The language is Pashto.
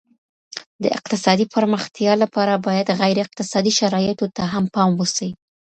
د اقتصادي پرمختيا لپاره بايد غیر اقتصادي شرايطو ته هم پام وسي.